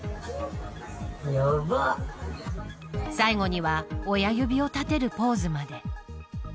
最後には親指を立てるポーズまで。